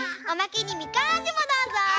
おまけにみかんあじもどうぞ！